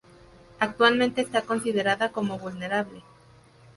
Actualmente está considerada como "vulnerable".